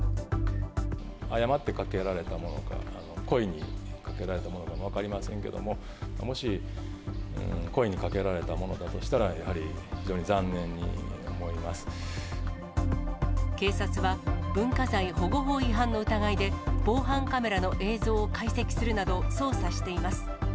誤ってかけられたものか、故意にかけられたものか分かりませんけども、もし故意にかけられたものだとしたら、やはり非常に残念に思いま警察は、文化財保護法違反の疑いで、防犯カメラの映像を解析するなど、捜査しています。